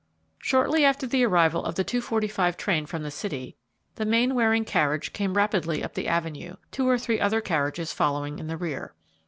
Shortly after the arrival of the 2.45 train from the city, the Mainwaring carriage came rapidly up the avenue, two or three other carriages following in the rear.